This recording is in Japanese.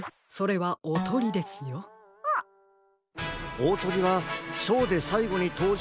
おおトリはショーでさいごにとうじょうする